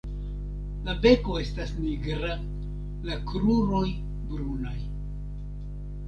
La beko estas nigra; la kruroj brunaj.